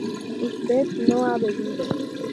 usted no ha bebido